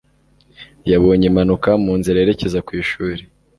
yabonye impanuka mu nzira yerekeza ku ishuri